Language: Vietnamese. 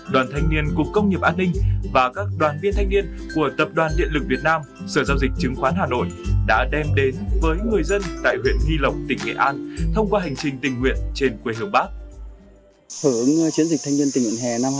đoàn thanh niên cục công nghiệp an ninh và các đoàn viên thanh niên của tập đoàn điện lực việt nam